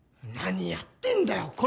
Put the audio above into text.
何やってんだよ。